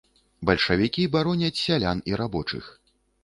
Бальшавікі бароняць сялян і рабочых.